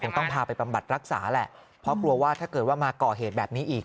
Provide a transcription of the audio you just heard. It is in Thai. ต้องพาไปบำบัดรักษาแหละเพราะกลัวว่าถ้าเกิดว่ามาก่อเหตุแบบนี้อีก